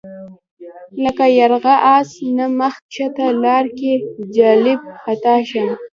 لکه یرغه آس نه مخ ښکته لار کې جلَب خطا شم